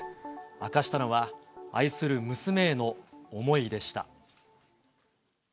明かしたのは、愛する娘への思いでした。